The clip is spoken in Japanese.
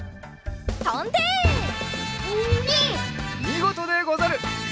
みごとでござる！